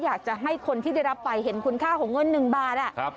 อยากจะให้คนที่ได้รับไปเห็นคุณค่าของเงิน๑บาท